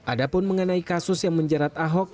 adapun mengenai kasus yang menjerat ahok